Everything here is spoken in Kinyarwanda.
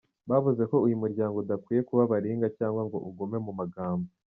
Bavuze ko uyu muryango udakwiye kuba baringa cyangwa ngo ugume mu magambo.